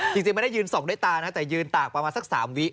จริงไม่ได้ยืนส่องด้วยตานะแต่ยืนตากประมาณสัก๓วิ